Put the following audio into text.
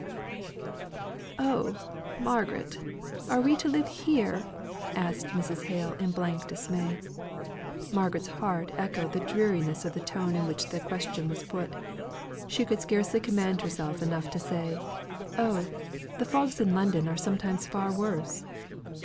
"Oh, Margaret! are we to live here?" asked Mrs. Hale in blank dismay. Margaret's heart echoed the dreariness of the tone in which this question was put. She could scarcely command herself enough to say, "Oh, the fogs in London are sometimes far worse!"